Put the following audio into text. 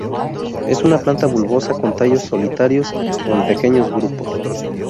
Es una planta bulbosa con tallos solitarios o en pequeños grupos.